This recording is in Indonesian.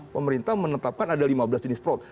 pemerintah menetapkan ada lima belas jenis fraud